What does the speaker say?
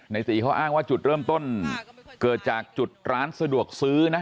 ตีเขาอ้างว่าจุดเริ่มต้นเกิดจากจุดร้านสะดวกซื้อนะ